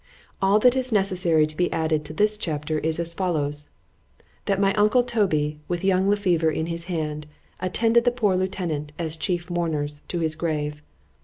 —All that is necessary to be added to this chapter is as follows.— That my uncle Toby, with young Le Fever in his hand, attended the poor lieutenant, as chief mourners, to his grave.